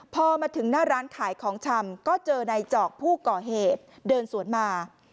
พอมาถึงหน้าร้านขายของชำก็เจอนายจอกผู้ก่อเหตุเดินสวนมา